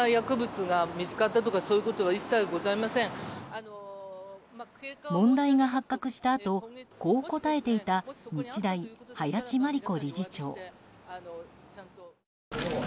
ひろうって偉大だな問題が発覚したあとこう答えていた日大、林真理子理事長。